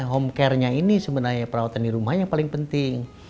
homecare nya ini sebenarnya perawatan di rumah yang paling penting